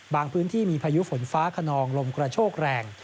พื้นที่มีพายุฝนฟ้าขนองลมกระโชกแรง